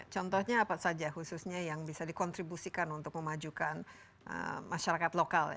contohnya apa saja khususnya yang bisa dikontribusikan untuk memajukan masyarakat lokal